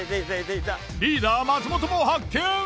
リーダー松本も発見。